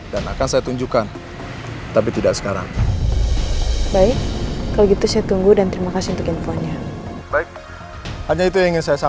jangan selalu hanya memikirkan aku ya